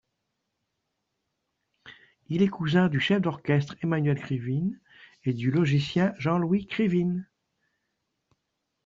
Il est cousin du chef d'orchestre Emmanuel Krivine et du logicien Jean-Louis Krivine.